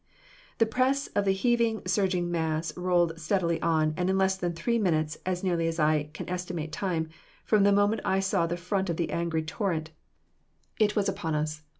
"The press of the heaving, surging mass rolled steadily on, and in less than three minutes, as nearly as I can estimate time, from the moment I saw the front of the angry torrent it was upon us.